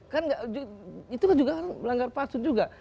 kan itu juga langgar pasun juga